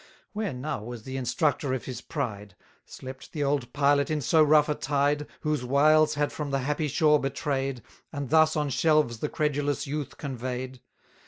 Where now was the instructor of his pride? Slept the old pilot in so rough a tide, Whose wiles had from the happy shore betray'd, And thus on shelves the credulous youth convey'd?